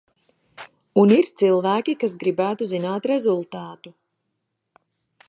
Un ir cilvēki, kas gribētu zināt rezultātu.